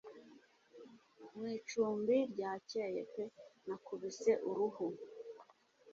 Mu icumbi ryakeye pe nakubise uruhu